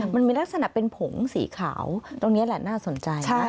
มันมีลักษณะเป็นผงสีขาวตรงนี้แหละน่าสนใจนะ